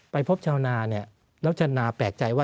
ไปพบชาวนาเนี่ยแล้วชาวนาแปลกใจว่า